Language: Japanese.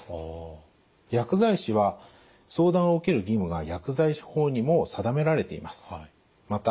薬剤師は相談を受ける義務が薬剤師法にも定められています。